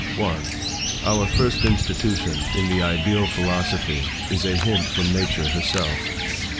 1. Our first institution in the Ideal philosophy is a hint from nature herself.